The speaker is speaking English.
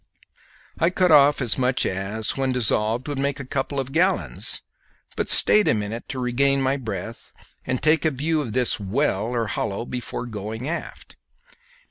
I cut off as much as, when dissolved, would make a couple of gallons, but stayed a minute to regain my breath and take a view of this well or hollow before going aft.